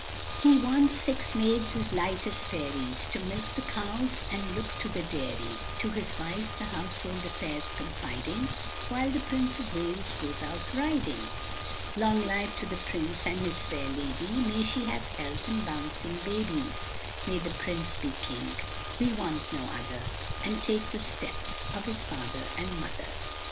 He wants six maids as light as fairies, To milk the cows and look to the dairy, To his wife the household affairs confiding, While the Prince of Wales goes out riding. Long life to the Prince and his fair lady, May she have health and bouncing babies, May the Prince be King, we want no other, And take the steps of his father and mother.